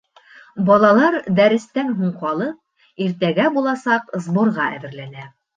Балалар, дәрестән һуң ҡалып, иртәгә буласаҡ сборға әҙерләнә.